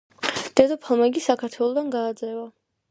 დედოფალმა იგი საქართველოდან გააძევა.